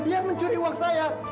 dia mencuri uang saya